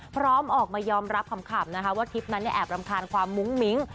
พร้อมออกมายอมรับขำนะคะว่าทริปนั้นแอบรำคาญความมุ้งมิ้ง